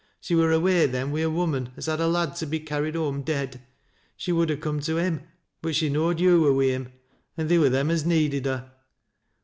She wur away then wi' a woman as had a lad to be carried home dead. She would ha' come t< him, but she knowed yo' were wi' him, an' theer wur theiu as needed her.